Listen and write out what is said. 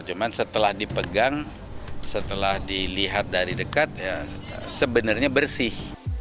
cuman setelah dipegang setelah dilihat dari dekat sebenarnya bersih